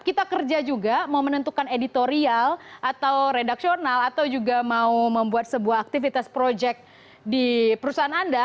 kita kerja juga mau menentukan editorial atau redaksional atau juga mau membuat sebuah aktivitas proyek di perusahaan anda